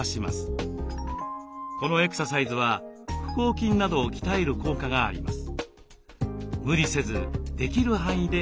このエクササイズは腹横筋などを鍛える効果があります。